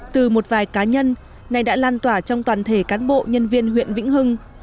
từ một vài cá nhân này đã lan tỏa trong toàn thể cán bộ nhân viên huyện vĩnh hưng